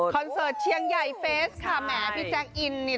เสิร์ตเชียงใหญ่เฟสค่ะแหมพี่แจ๊คอินนี่